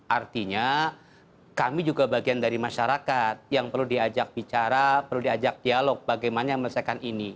artinya kami juga bagian dari masyarakat yang perlu diajak bicara perlu diajak dialog bagaimana melesaikan ini